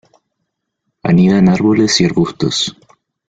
Anida en árboles y arbustos.